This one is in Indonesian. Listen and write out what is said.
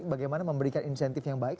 bagaimana memberikan insentif yang baik